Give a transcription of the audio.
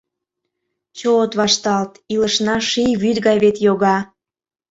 Чот вашталт, илышна Ший вӱд гай вет йога.